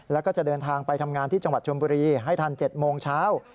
แล้วก็จะเดินทางไปทำงานที่จังหวัดชมบุรีให้ทัน๗โมงเช้า